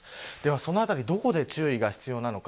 そのあたりどこで注意が必要なのか。